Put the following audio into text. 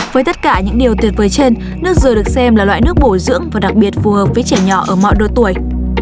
với tất cả những điều tuyệt vời trên nước dừa được xem là loại nước bổi dưỡng và đặc biệt phù hợp với trẻ nhỏ ở mọi độ tuổi